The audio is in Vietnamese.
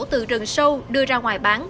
từ rừng sâu đưa ra ngoài bán